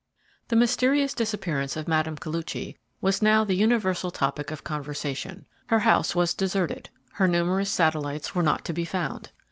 THE mysterious disappearance of Mme. Koluchy was now the universal topic of conversation. Her house was deserted, her numerous satellites were not to be found.